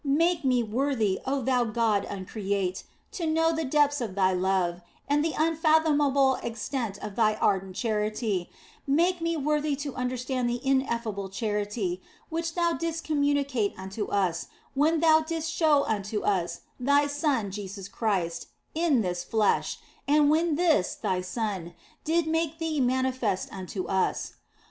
Make me worthy, oh Thou God Uncreate, to know the depths of Thy love and the unfathomable extent of Thy ardent charity ; make me worthy to understand the ineffable charity which Thou didst communicate unto us when Thou didst show unto us Thy Son Jesus Christ in this flesh and when this Thy Son did make Thee manifest unto us.